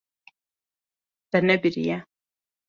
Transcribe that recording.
Te nebiriye.